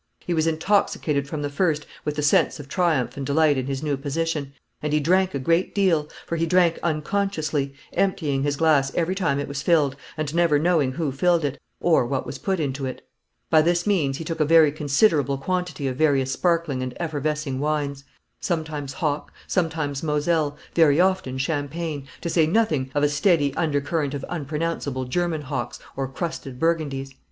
He was intoxicated from the first with the sense of triumph and delight in his new position; and he drank a great deal, for he drank unconsciously, emptying his glass every time it was filled, and never knowing who filled it, or what was put into it. By this means he took a very considerable quantity of various sparkling and effervescing wines; sometimes hock, sometimes Moselle, very often champagne, to say nothing of a steady undercurrent of unpronounceable German hocks and crusted Burgundies.